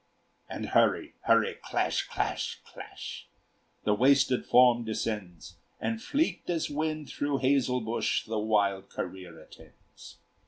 And hurry! hurry! clash, clash, clash! The wasted form descends; And fleet as wind through hazel bush The wild career attends.